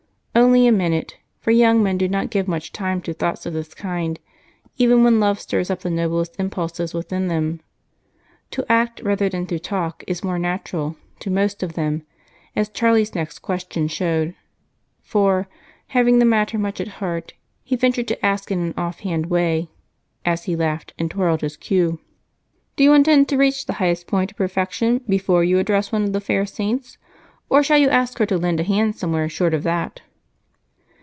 Only a minute, for young men do not give much time to thoughts of this kind, even when love stirs up the noblest impulses within them. To act rather than to talk is more natural to most of them, as Charlie's next question showed, for, having the matter much at heart, he ventured to ask in an offhand way as he laughed and twirled his cue: "Do you intend to reach the highest point of perfection before you address one of the fair saints, or shall you ask her to lend a hand somewhere short of that?"